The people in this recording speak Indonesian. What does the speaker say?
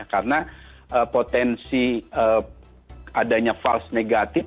karena potensi adanya fals negatif